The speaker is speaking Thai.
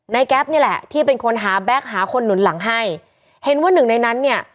แก๊ปนี่แหละที่เป็นคนหาแบ็คหาคนหนุนหลังให้เห็นว่าหนึ่งในนั้นเนี่ย